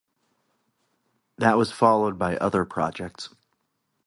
That was followed by other projects.